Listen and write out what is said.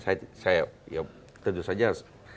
saya ya tentu saja